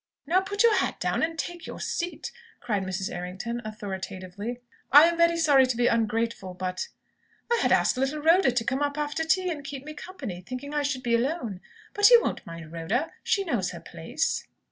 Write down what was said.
"Now put your hat down, and take your seat!" cried Mrs. Errington, authoritatively. "I am very sorry to seem ungrateful, but " "I had asked little Rhoda to come up after tea and keep me company, thinking I should be alone. But you won't mind Rhoda. She knows her place."